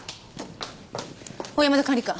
小山田管理官。